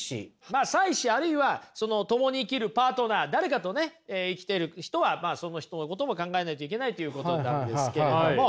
まあ妻子あるいはその共に生きるパートナー誰かとね生きてる人はまあその人のことも考えないといけないということなんですけれども。